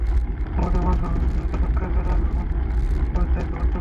তোমাদের মান-মর্যাদা রক্ষা করা আমার পবিত্র দায়িত্ব ও কর্তব্য।